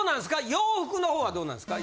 洋服の方はどうなんですか？